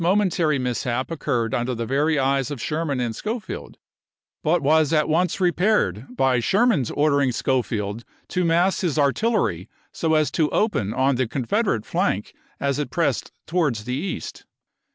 ATLANTA 273 mentaiy mishap occurred under the very eyes of chap, xil Sherman and Schofield, but was at once repaired by Sherman's ordering Schofield to mass his artil lery so as to open on the Confederate flank as it pressed towards the east.